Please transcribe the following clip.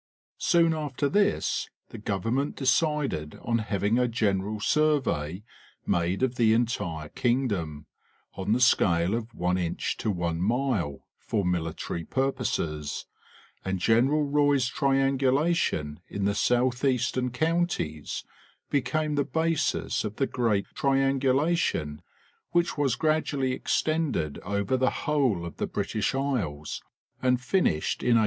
Soon after this the government decided on having a "general survey made of the entire kingdom, on the scale of one inch to one mile for military purposes, and General Roy's triangulation in the southeastern counties became the basis of the Great Tri angulation, which was gradually extended over the whole of the British Isles and finished in 1853.